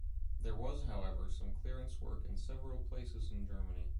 There was however some clearance work in several places in Germany.